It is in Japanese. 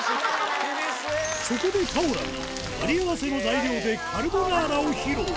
そこでパオラがあり合わせの材料でカルボナーラを披露